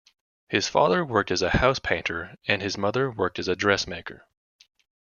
His father worked as a house painter, and his mother worked as a dressmaker.